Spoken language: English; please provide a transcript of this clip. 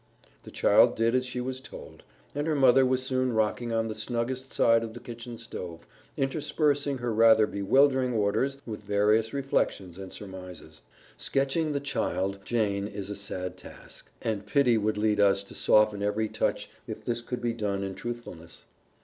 The child did as she was told, and her mother was soon rocking on the snuggest side of the kitchen stove, interspersing her rather bewildering orders with various reflections and surmises. Sketching the child Jane is a sad task, and pity would lead us to soften every touch if this could be done in truthfulness.